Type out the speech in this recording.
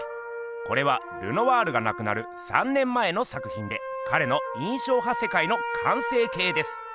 これはルノワールがなくなる３年前の作ひんでかれの印象派世界の完成形です。